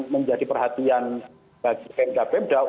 menjadi perhatian bagi pmk